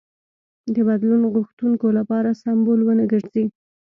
د بدلون غوښتونکو لپاره سمبول ونه ګرځي.